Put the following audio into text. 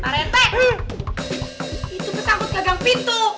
parete itu penakut gagang pintu